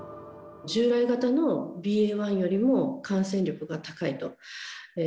従来型のＢＡ．１よりも感染力が高いと。